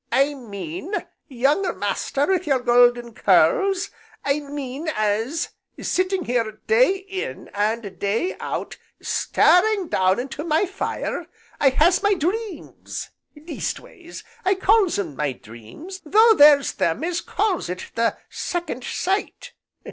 "I mean, young master wi' your golden curls, I mean as, sitting here day in, and day out, staring down into my fire, I has my dreams, leastways, I calls 'em my dreams, though there's them as calls it the 'second sight.'